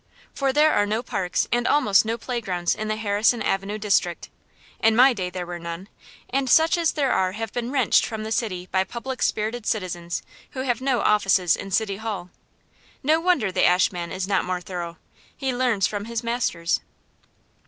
For there are no parks and almost no playgrounds in the Harrison Avenue district, in my day there were none, and such as there are have been wrenched from the city by public spirited citizens who have no offices in City Hall. No wonder the ashman is not more thorough: he learns from his masters.